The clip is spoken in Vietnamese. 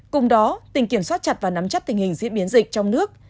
cùng đó tỉnh kiểm soát chặt và nắm chắc tình hình diễn biến dịch trong nước